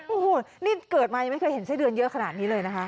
โอ้โหนี่เกิดมายังไม่เคยเห็นไส้เดือนเยอะขนาดนี้เลยนะคะ